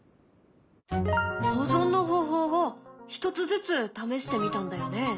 保存の方法を１つずつ試してみたんだよね？